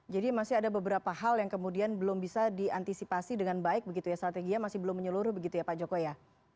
jadi masih ada beberapa hal yang kemudian belum bisa diantisipasi dengan baik begitu ya strategia masih belum menyeluruh begitu ya pak jokowi ya